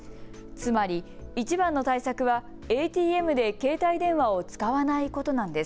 つまり、いちばんの対策はＡＴＭで携帯電話を使わないことなんです。